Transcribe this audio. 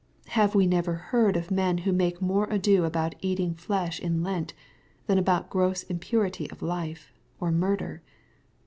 — ^Have we never heard of men who make more ado about eating flesh in Lent, than about gross impurity of Kfe, or murder